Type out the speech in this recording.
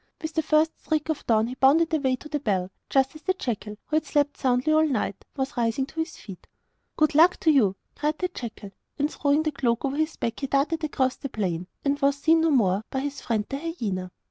With the first streak of dawn he bounded away to the bell, just as the jackal, who had slept soundly all night, was rising to his feet. 'Good luck to you,' cried the jackal. And throwing the cloak over his back he darted away across the plain, and was seen no more by his friend the hyena.